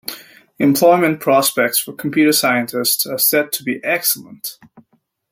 Employment prospects for computer scientists are said to be excellent.